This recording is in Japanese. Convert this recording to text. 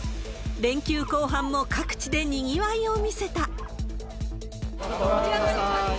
連休後半も各地でにぎわいを見せた。